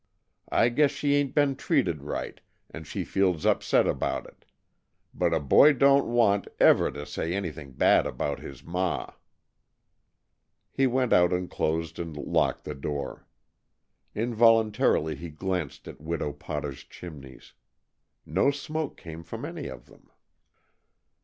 I guess she ain't been treated right, and she feels upset about it, but a boy don't want, ever, to say anything bad about his ma." He went out and closed and locked the door. Involuntarily he glanced at Widow Potter's chimneys. No smoke came from any of them.